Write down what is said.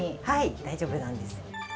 はい大丈夫なんです。